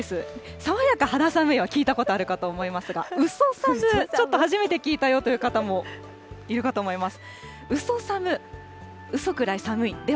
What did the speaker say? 爽やか、肌寒いは聞いたことあるかと思いますが、うそ寒、ちょっと初めて聞いたよという方もいるかと思います。